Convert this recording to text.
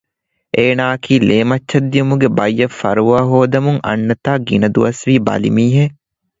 އޭނާއަކީ ލޭމައްޗަށް ދިއުމުގެ ބައްޔަށް ފަރުވާހޯދަމުން އަންނަތާ ގިނަ ދުވަސްވީ ބަލިމީހެއް